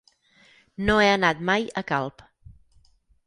No he anat mai a Calp.